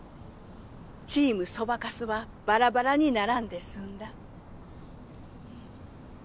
チームそばかすはバラバラにならんで済んだ。